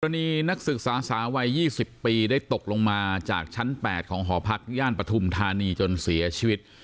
นักศึกษาสาววัย๒๐ปีได้ตกลงมาจากชั้น๘ของหอพักย่านปฐุมธานีจนเสียชีวิต